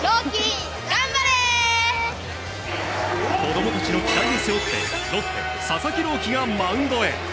子供たちの期待を背負ってロッテ、佐々木朗希がマウンドへ。